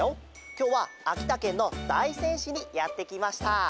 きょうはあきたけんのだいせんしにやってきました。